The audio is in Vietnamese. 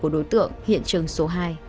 đối tượng hiện trường số hai